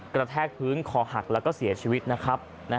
แทกพื้นคอหักแล้วก็เสียชีวิตนะครับ